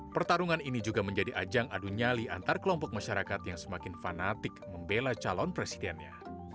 pertarungan ini juga menjadi ajang adu nyali antar kelompok masyarakat yang semakin fanatik membela calon presidennya